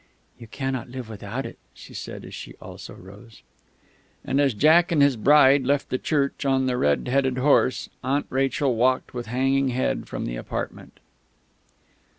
"You cannot live without it," she said as she also rose.... And as Jack and his bride left the church on the reheaded horse, Aunt Rachel walked with hanging head from the apartment.